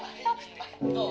「どう？